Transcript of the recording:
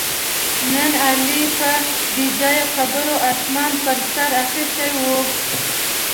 نن علي په بې ځایه خبره اسمان په سر اخیستی و